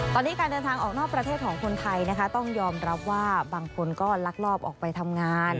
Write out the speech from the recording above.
ตอนนี้การเดินทางออกนอกประเทศของคนไทยนะคะต้องยอมรับว่าบางคนก็ลักลอบออกไปทำงาน